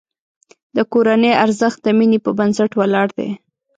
د کورنۍ ارزښت د مینې په بنسټ ولاړ دی.